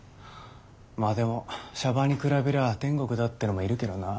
まあでも娑婆に比べりゃ天国だってのもいるけどな。